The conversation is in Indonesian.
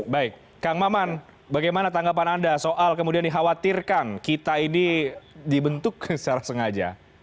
baik kang maman bagaimana tanggapan anda soal kemudian dikhawatirkan kita ini dibentuk secara sengaja